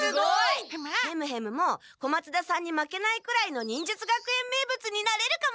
ヘムヘムも小松田さんに負けないくらいの忍術学園名物になれるかも！